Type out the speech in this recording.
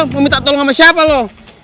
mau minta tolong sama siapa loh